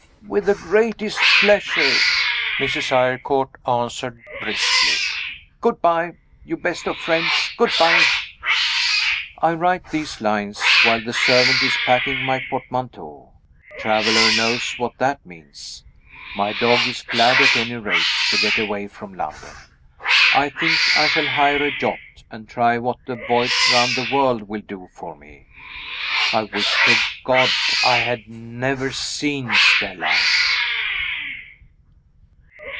"With the greatest pleasure," Mrs. Eyrecourt answered, briskly. "Good by, you best of friends good by." I write these lines while the servant is packing my portmanteau. Traveler knows what that means. My dog is glad, at any rate, to get away from London. I think I shall hire a yacht, and try what a voyage round the world will do for me. I wish to God I had never seen Stella!